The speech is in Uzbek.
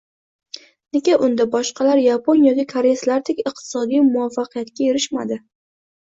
nega unda boshqalar yapon yoki koreyslardek iqtisodiy muvaffaqiyatga erishishmadi?»